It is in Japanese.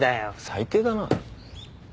最低だな。